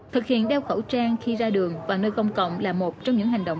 thực hiện đeo khẩu trang khi ra đường và nơi công cộng là một trong những hành động